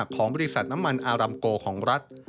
ของบริษัทน้ำมันอารัมโกของรัฐ